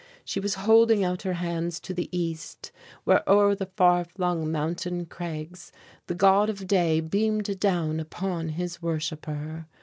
She was holding out her hands to the East, where o'er the far flung mountain craigs the God of Day beamed down upon his worshipper.